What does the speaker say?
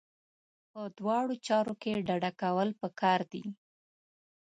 په دواړو چارو کې ډډه کول پکار دي.